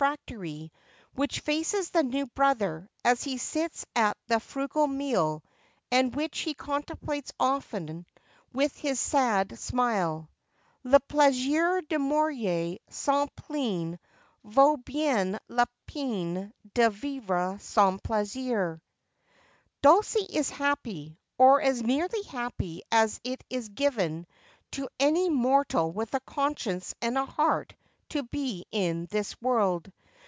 365 the Refectory which faces the new brother as he sits at the frugal meal, and which he contemplates often with his sad smile :' Le plaisir de mourir sans peine vaut bien la peine de vivre sans plaisir.' *#*#* Dnlcie is happy, or as nearly happy as it is given to any mortal with a conscience and a heart to be in this world.